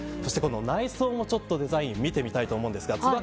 内装のデザインを見てみたいと思うんですがつば